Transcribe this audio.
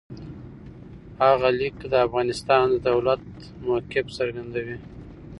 هغه لیک د افغانستان د دولت موقف څرګندوي.